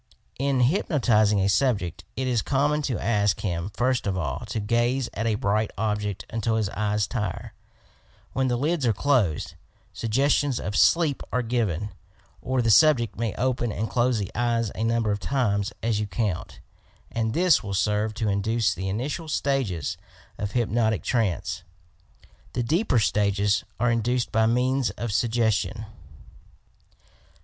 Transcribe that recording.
In hypnotizing a sub ject it is common to ask him first of all to gaze at a bright object until the eyes tire,— when the lids are closed, suggestions of sleep are given, or the subject may open and close the eyes a number of times as you count, and this will serve to induce the initial stages of hypnotic trance ; the deeper stages are induced by means of sug gestion.